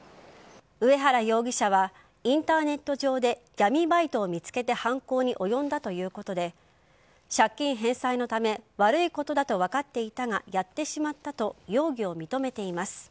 上原容疑者はインターネット上で闇バイトを見つけて犯行に及んだということで借金返済のため悪いことだと分かっていたがやってしまったと容疑を認めています。